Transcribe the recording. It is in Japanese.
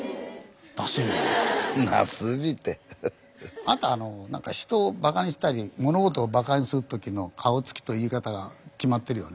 あんたなんか人をバカにしたり物事をバカにする時の顔つきと言い方が決まってるよね。